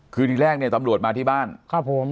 คือที่แรกเนี่ยตำรวจมาที่บ้านครับผม